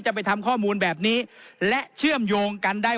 จะไปทำข้อมูลแบบนี้